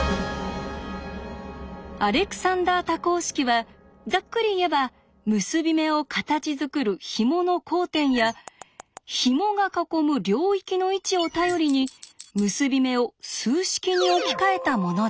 アレクサンダー多項式はざっくり言えば結び目を形づくるひもの交点やひもが囲む領域の位置を頼りに結び目を数式に置き換えたものです。